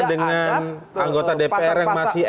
dengan anggota dpr yang masih